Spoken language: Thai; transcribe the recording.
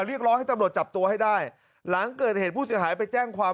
เรียกร้องให้ตำรวจจับตัวให้ได้หลังเกิดเหตุผู้เสียหายไปแจ้งความ